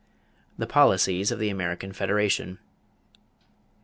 =The Policies of the American Federation.